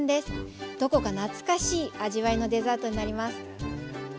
どこか懐かしい味わいのデザートになります。